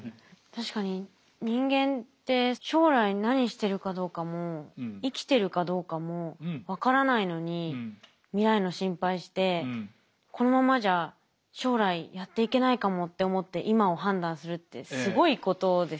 確かに人間って将来何してるかどうかも生きてるかどうかも分からないのに未来の心配してこのままじゃ将来やっていけないかもって思って今を判断するってすごいことですよね。